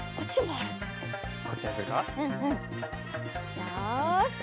よし。